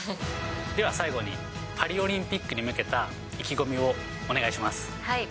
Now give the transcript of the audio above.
では最後に、パリオリンピックに向けた意気込みをお願いします。